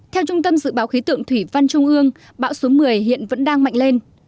theo trung tâm dự báo khí tượng thủy văn trung ương bão số một mươi hiện vẫn đang mạnh lên